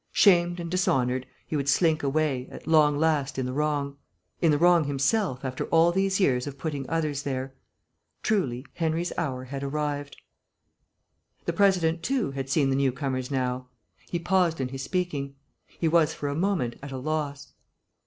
Shamed and dishonoured, he would slink away, at long last in the wrong. In the wrong himself, after all these years of putting others there. Truly, Henry's hour had arrived. The President, too, had seen the new comers now. He paused in his speaking; he was for a moment at a loss.